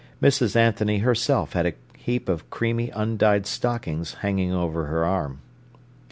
Mrs. Anthony herself had a heap of creamy, undyed stockings hanging over her arm.